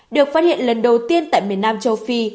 được phát hiện lần đầu tiên tại miền nam châu phi